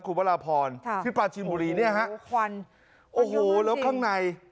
คุณพระราพรค่ะที่ปลาชินบุรีเนี่ยฮะควันโอ้โหแล้วข้างใน